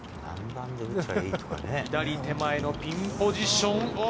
左手前のピンポジション。